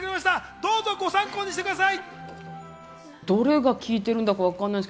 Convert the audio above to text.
どうぞご参考にしてください。